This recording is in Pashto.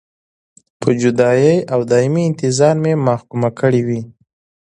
په جدایۍ او دایمي انتظار مې محکومه کړې وې.